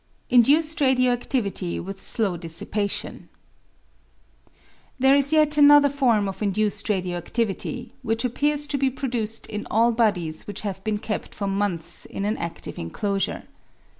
Induced Radio activity with Slow Dissipation. There is yet another form of induced radio adivity, which appears to be produced in all bodies which have been kept for months in an adive enclosure.